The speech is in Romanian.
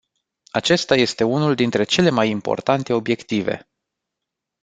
Acesta este unul dintre cele mai importante obiective.